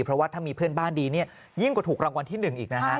เพราะว่าถ้ามีเพื่อนบ้านดีเนี่ยยิ่งกว่าถูกรางวัลที่๑อีกนะฮะ